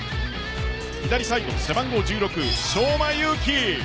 左サイド背番号１６・相馬勇紀